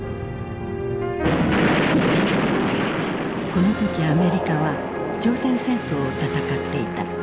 この時アメリカは朝鮮戦争を戦っていた。